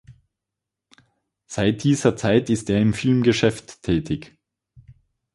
Seit dieser Zeit ist er im Filmgeschäft tätig.